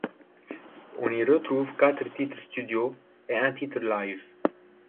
On y retrouve quatre titres studio et un titre live.